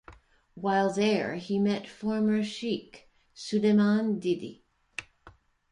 While there, he met former sheikh, Suleiman Dede.